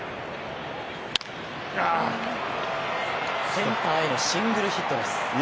センターへのシングルヒットです。